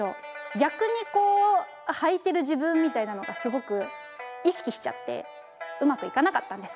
逆にこうはいてる自分みたいなのがすごく意識しちゃってうまくいかなかったんです